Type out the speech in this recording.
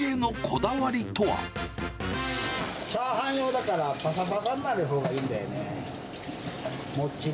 チャーハン用だから、ぱさぱさになるほうがいいんだよね。